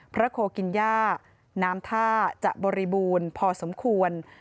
โคกินย่าน้ำท่าจะบริบูรณ์พอสมควร